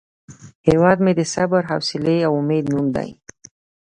هیواد مې د صبر، حوصله او امید نوم دی